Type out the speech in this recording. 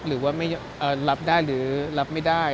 หรือว่าไม่รับได้หรือรับไม่ได้